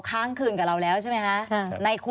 ควิทยาลัยเชียร์สวัสดีครับ